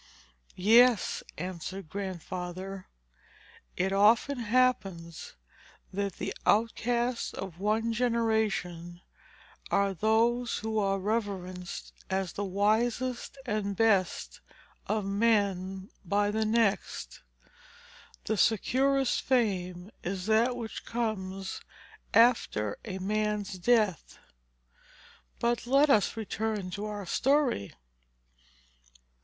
"Yes," answered Grandfather, "it often happens, that the outcasts of one generation are those, who are reverenced as the wisest and best of men by the next. The securest fame is that which comes after a man's death. But let us return to our story.